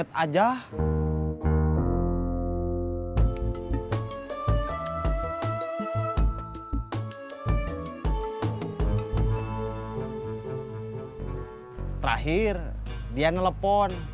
terakhir dia ngelepon